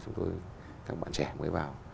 chúng tôi các bạn trẻ mới vào